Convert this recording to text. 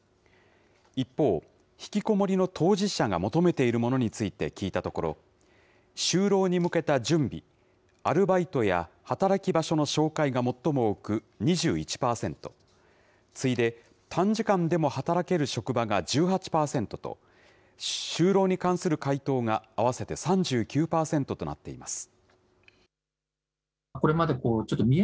一方、ひきこもりの当事者が求めているものについて聞いたところ、就労に向けた準備、アルバイトや働き場所の紹介が最も多く、２１％、次いで短時間でも働ける職場が１８％と、就労に関する回答が合わせて３９％となっています。